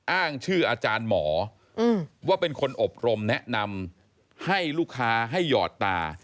อ้างชื่ออาจารย์หมอว่าเป็นคนอบรมแนะนำให้ลูกค้าให้หยอดตา